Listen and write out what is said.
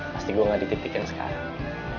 pasti gue gak dititikin sekarang